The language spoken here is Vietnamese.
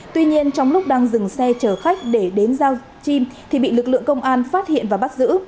tuy nhiên trong lúc đang dừng xe chở khách để đến giao chim thì bị lực lượng công an phát hiện và bắt giữ